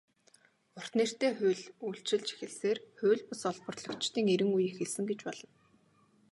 "Урт нэртэй хууль" үйлчилж эхэлснээр хууль бус олборлогчдын эрин үе эхэлсэн гэж болно.